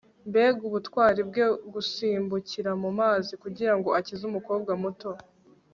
mbega ubutwari bwe gusimbukira mu mazi kugirango akize umukobwa muto